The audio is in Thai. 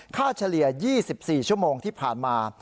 เฉลี่ย๒๔ชั่วโมงที่ผ่านมา